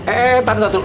eh eh eh tahan tahan dulu